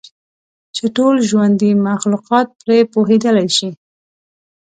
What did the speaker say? چې ټول ژوندي مخلوقات پرې پوهیدلی شي.